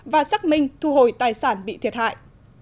và xác minh thu hồi tài sản bị thiệt hại